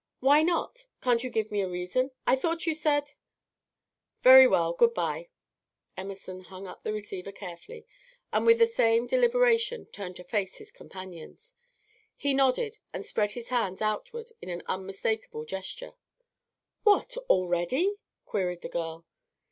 "Why not? Can't you give me a reason? I thought you said Very well. Good bye." Emerson hung up the receiver carefully, and with the same deliberation turned to face his companions. He nodded, and spread his hands outward in an unmistakable gesture. "What! already?" queried the girl.